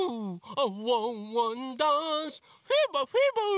ワンワンダンスフィーバーフィーバー！